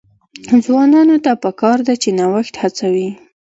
ځوانانو ته پکار ده چې، نوښت هڅوي.